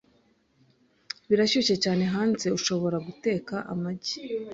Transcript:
Birashyushye cyane hanze, ushobora guteka amagi.